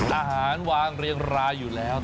อาหารวางเรียงรายอยู่แล้ว